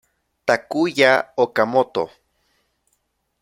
Takuya Okamoto